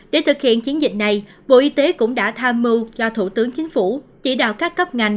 để thực hiện chiến dịch này bộ y tế cũng đã tham mưu cho thủ tướng chính phủ chỉ đạo các cấp ngành